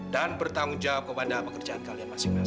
dan bertanggung jawab kepada pekerjaan kalian masing masing